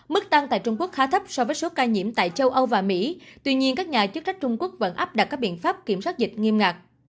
mức tăng tại trung quốc khá thấp so với số ca nhiễm tại châu âu và mỹ tuy nhiên các nhà chức trách trung quốc vẫn áp đặt các biện pháp kiểm soát dịch nghiêm ngặt